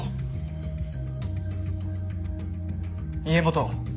家元。